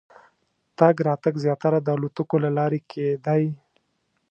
تګ راتګ زیاتره د الوتکو له لارې کېدی.